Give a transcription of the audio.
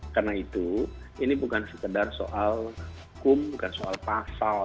karena itu ini bukan sekedar soal hukum bukan soal pasal